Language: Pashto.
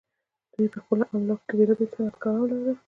دوی په خپلو املاکو کې بیلابیل صنعتکاران لرل.